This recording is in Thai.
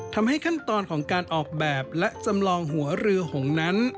ขั้นตอนของการออกแบบและจำลองหัวเรือหงนั้น